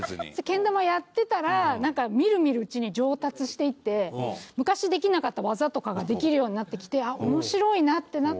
けん玉をやってたらみるみるうちに上達していって昔できなかった技とかができるようになってきて面白いなってなって。